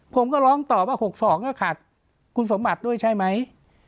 ผมก็ร้องตอบว่า๖๒ก็ขาดคุณสมบัติด้วยใช่ไหม